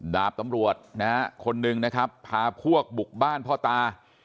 ดาบตำรวจนะฮะคนหนึ่งนะครับพาพวกบุกบ้านพ่อตา